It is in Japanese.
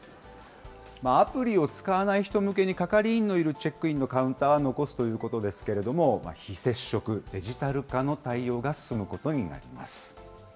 アプリを使わない人向けに、係員のいるチェックインのカウンターは残すということですけれども、非接触、デジタル化の対応が進むことになります。